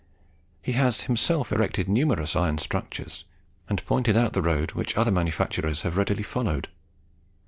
He has himself erected numerous iron structures, and pointed out the road which other manufacturers have readily followed.